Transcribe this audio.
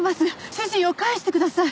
主人を返してください。